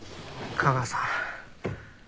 架川さん。